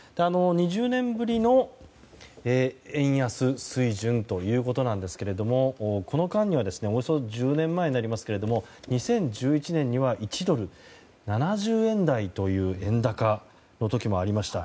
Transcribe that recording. ２０年ぶりの円安水準ということですがこの間にはおよそ１０年前になりますが２０１１年には１ドル＝７０円台という円高の時もありました。